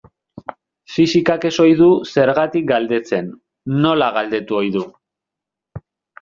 Fisikak ez ohi du zergatik galdetzen, nola galdetu ohi du.